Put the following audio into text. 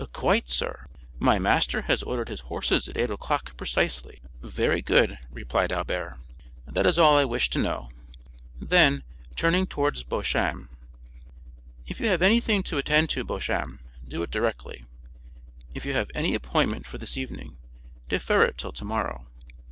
"Quite, sir; my master has ordered his horses at eight o'clock precisely." "Very good," replied Albert; "that is all I wished to know." Then, turning towards Beauchamp, "If you have anything to attend to, Beauchamp, do it directly; if you have any appointment for this evening, defer it till tomorrow.